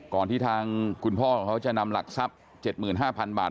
ที่ทางคุณพ่อของเขาจะนำหลักทรัพย์๗๕๐๐๐บาท